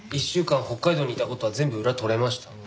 １週間北海道にいた事は全部裏取れました。